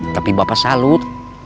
tapi bapak salut